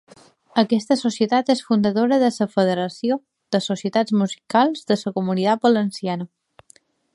Aquesta societat és fundadora de la Federació de Societats Musicals de la Comunitat Valenciana.